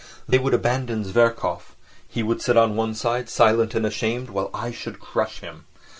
They would abandon Zverkov, he would sit on one side, silent and ashamed, while I should crush him.